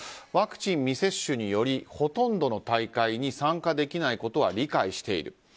ワクチン未接種によりほとんどの大会に参加できないことは理解している。